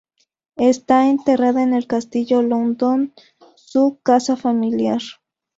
Está enterrada en el Castillo Loudoun, su casa familiar.